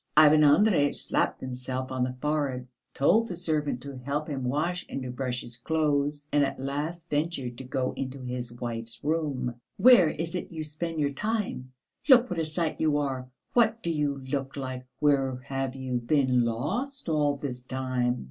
Ivan Andreyitch slapped himself on the forehead, told the servant to help him wash and to brush his clothes, and at last ventured to go into his wife's room. "Where is it you spend your time? Look what a sight you are! What do you look like? Where have you been lost all this time?